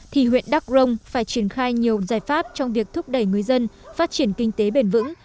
thì huyện đắk rông phải triển khai nhiều giải pháp trong việc thúc đẩy người dân phát triển kinh tế bền vững